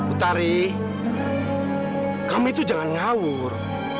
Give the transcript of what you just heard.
utari kami itu jangan ngawur